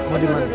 mau di mana